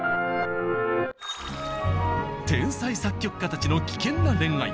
天才作曲家たちの危険な恋愛。